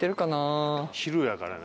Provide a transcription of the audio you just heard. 昼やからね。